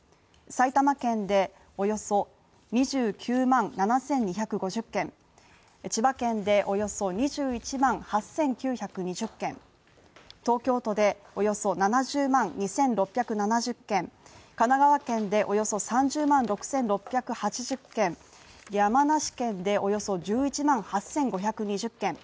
埼玉県でおよそ２９万７２５０軒千葉県でおよそ２１万８９２０軒東京都でおよそ７０万２６７０軒、神奈川県でおよそ３０万６６８０軒、山梨県でおよそ１１万８５２０軒